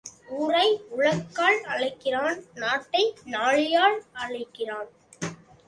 ஊரை உழக்கால் அளக்கிறான் நாட்டை நாழியால் அளக்கிறான்.